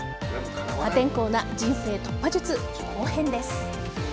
破天荒な人生突破術後編です。